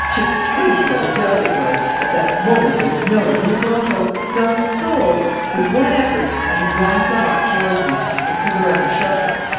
"Just think what a joke it was: at that moment there was no one in the grotto! Not a soul! With one effort, I had drawn Florence toward me and put her under shelter.